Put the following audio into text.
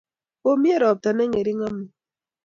Komie roptane ngering amut